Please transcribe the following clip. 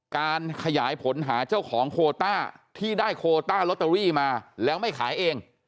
การขยายผลหาเจ้าของโคต้าที่ได้โคต้าลอตเตอรี่มาแล้วไม่ขายเอง